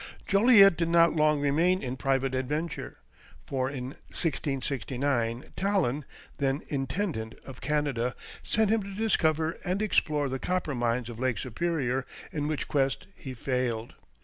Joliet did not long remain in private adventure, for in 1669 Talon, then Intendant of Canada, sent him to discover and explore the copper mines of Lake Superior, in which quest he failed.